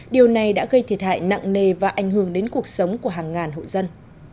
điều này đã gây thiệt hại nặng nề và ảnh hưởng đến cuộc sống của hàng ngàn hộ dân